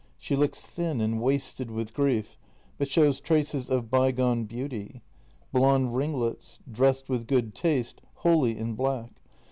She looks thin and wasted with grief, but shoivs traces of by gone beauty. Blonde ringlets. Dressed with good taste, wholly in black.